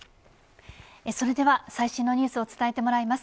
それでは、最新のニュースを伝えてもらいます。